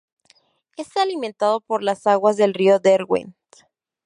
Es alimentado por las aguas del río Derwent.